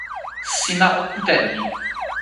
sina o kute e mi!